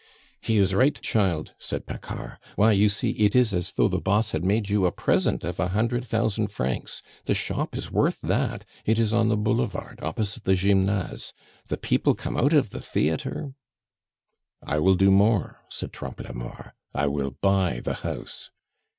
"He is right, child," said Paccard. "Why, you see, it is as though the boss had made you a present of a hundred thousand francs. The shop is worth that. It is on the Boulevard, opposite the Gymnase. The people come out of the theatre " "I will do more," said Trompe la Mort; "I will buy the house."